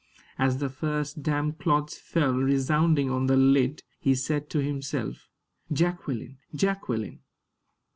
As the first damp clods fell resounding on the lid, he said to himself: "Jacqueline! Jacqueline!"